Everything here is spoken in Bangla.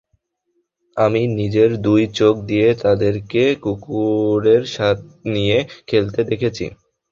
আমি নিজের দুই চোখ দিয়ে তাদেরকে কুকুরের নিয়ে খেলতে দেখেছি!